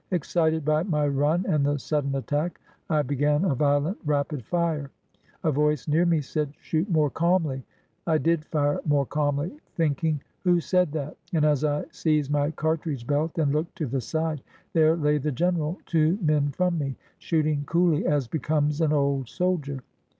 Excited by my run and the sudden attack, I began a violent, rapid fire. A voice near me said: "Shoot more calmly." I did fire more calmly, thinking, "Who said that?" and as I seized my cartridge belt and looked to the side, there lay the general two men from me, shooting coolly as becomes an old soldier.